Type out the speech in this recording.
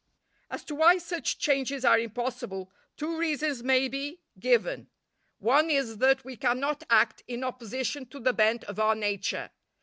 As to why such changes are impossible, two reasons may be given. One is that we cannot act in opposition to the bent of our nature.